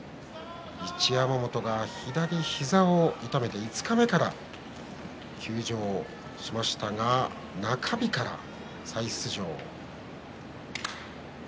一山本が左膝を痛めて五日目から休場しましたが中日から再出場。